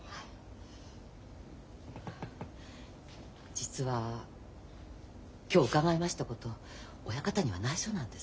実は今日伺いましたこと親方にはないしょなんです。